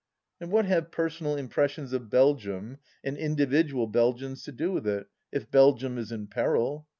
And what have personal impressions of Belgium and individual Belgians to do with it — if Belgium is in peril